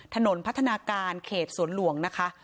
ถนนพัฒนาการเขตสวนหลวงนะคะ